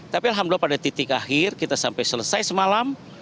tapi alhamdulillah pada titik akhir kita sampai selesai semalam